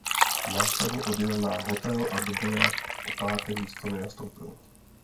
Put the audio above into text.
Následně odjel na hotel a do boje o páté místo nenastoupil.